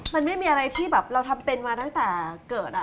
มันไม่มีอะไรที่แบบเราทำเป็นมาตั้งแต่เกิด